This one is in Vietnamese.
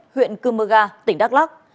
huyện cư mơ ga tỉnh đắk lắc